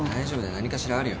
何かしらあるよ。